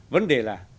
vấn đề là